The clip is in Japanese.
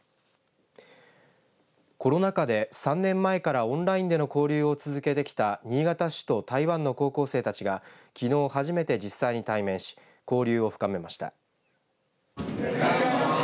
コロナ禍で３年前からオンラインでの交流を続けてきた新潟市と台湾の高校生たちがきのう初めて実際に対面し交流を深めました。